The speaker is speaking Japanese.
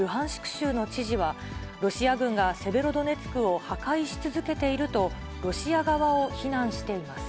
州の知事は、ロシア軍がセベロドネツクを破壊し続けていると、ロシア側を非難しています。